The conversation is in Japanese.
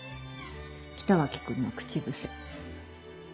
北脇君の口癖。